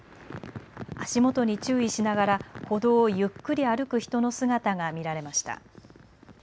足元に注意しながら歩道をゆっくり歩く人の姿が見られました。